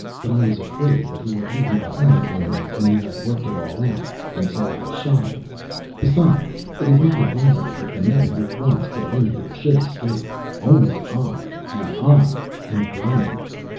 But I was afraid that he would leave me behind one night when he had worked it all out, and so I shot him. Besides, it is not advisable that the men who once get in here should escape. Only I, and I am a Brahmin."